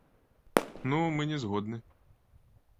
Ну, мы не згодны.